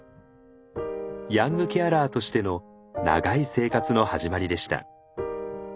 ヤングケアラーとしての長い生活の始まりでした。